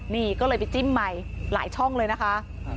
นี่ก็เลยไปจิ้มใหม่หลายช่องเลยนะคะ